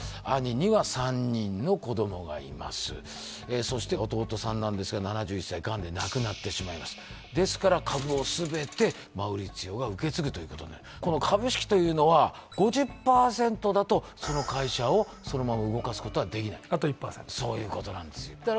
兄には３人の子どもがいますそして弟さんなんですが７１歳ガンで亡くなってしまいますですから株をすべてマウリツィオが受け継ぐということになるこの株式というのは５０％だとその会社をそのまま動かすことはできないあと１％そういうことなんですよ